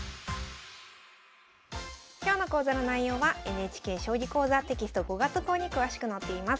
今日の講座の内容はＮＨＫ「将棋講座」テキスト５月号に詳しく載っています。